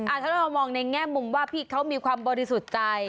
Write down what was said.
ถ้าเรามองในแง่มุมว่าพี่เขามีความบริสุทธิ์ใจ